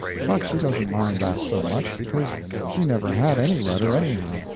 But she doesn't mind that so much, because she never had any rudder, anyhow.